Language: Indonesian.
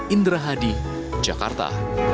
indra hadi jakarta